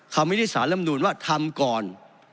คำวิธีสารลำนูนว่าทำก่อน